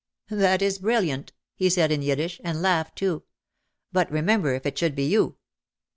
"That is brilliant," he said in Yiddish, and laughed too. "But remember if it should be you!"